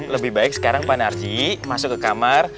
lebih baik sekarang pak narji masuk ke kamar